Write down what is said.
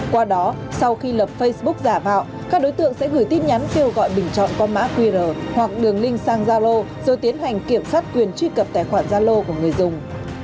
qua đó sau khi lập facebook giả vạo các đối tượng sẽ gửi tin nhắn kêu gọi bình chọn con mã qr hoặc đường link sang zalo rồi tiến hành kiểm soát quyền truy cập tài khoản zalo của người dùng